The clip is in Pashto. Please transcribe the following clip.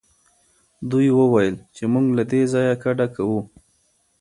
دوی وویل چې موږ له دې ځایه کډه کوو.